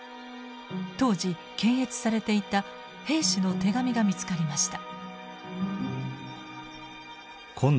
当時検閲されていた兵士の手紙が見つかりました。